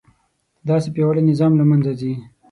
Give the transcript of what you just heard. داسې پیاوړی نظام له منځه ځي.